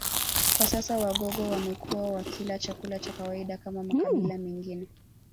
Kwa sasa Wagogo wamekuwa wakila chakula cha kawaida kama makabila mengine